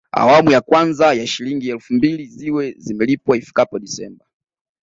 Awamu ya kwanza ya Shilingi elfu mbili ziwe zimelipwa ifikapo Disemba